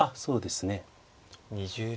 ２０秒。